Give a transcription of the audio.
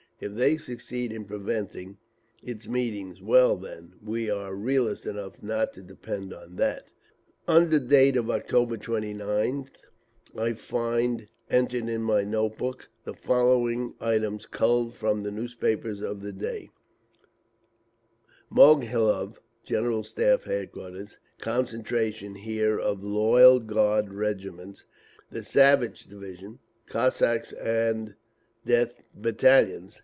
If they succeed in preventing its meeting,—well, then we are realists enough not to depend on that!" Under date of October 29th I find entered in my notebook the following items culled from the newspapers of the day: Moghilev (General Staff Headquarters). Concentration here of loyal Guard Regiments, the Savage Division, Cossacks and Death Battalions.